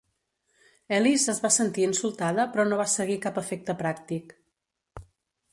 Elis es va sentir insultada però no va seguir cap efecte pràctic.